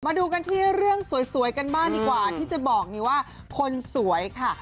มาดูกันที่เรื่องสวยกันบ้างดีกว่าที่จะบอกนี้ว่าคนสวยค่ะ